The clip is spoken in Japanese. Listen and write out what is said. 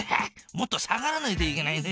もっと下がらないといけないな。